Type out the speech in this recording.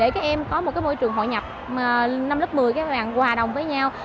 các em có một môi trường hội nhập năm lớp một mươi các em hòa đồng với nhau